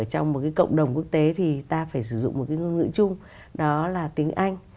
trong một cái cộng đồng quốc tế thì ta phải sử dụng một cái ngôn ngữ chung đó là tiếng anh